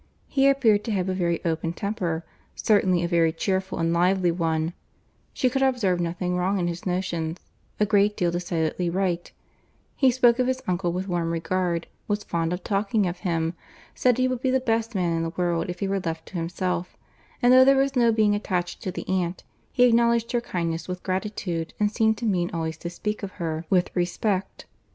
He appeared to have a very open temper—certainly a very cheerful and lively one; she could observe nothing wrong in his notions, a great deal decidedly right; he spoke of his uncle with warm regard, was fond of talking of him—said he would be the best man in the world if he were left to himself; and though there was no being attached to the aunt, he acknowledged her kindness with gratitude, and seemed to mean always to speak of her with respect.